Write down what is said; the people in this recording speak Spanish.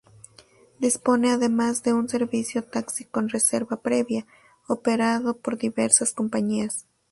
Dispone además de un servicio taxi con reserva previa, operado por diversas compañías.